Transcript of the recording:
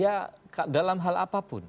ya dalam hal apapun